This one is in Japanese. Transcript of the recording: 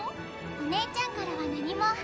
お姉ちゃんからは何も。